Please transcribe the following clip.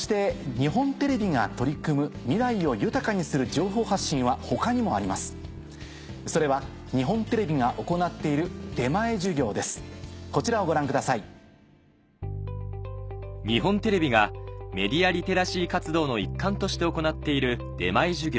日本テレビがメディアリテラシー活動の一環として行っている出前授業